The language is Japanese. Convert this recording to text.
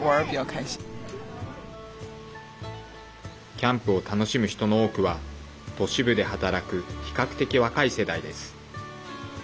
キャンプを楽しむ人の多くは都市部で働く比較的若い世代です。